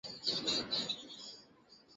এরকম যে, একসাথে থাকতাম।